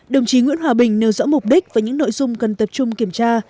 đồng chí nguyễn hòa bình nêu rõ mục đích và những nội dung cần tập trung kiểm tra